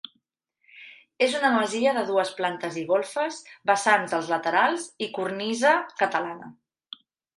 És una masia de dues plantes i golfes, vessants a laterals i cornisa catalana.